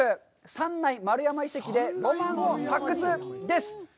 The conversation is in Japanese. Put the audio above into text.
三内丸山遺跡でロマンを発掘」です！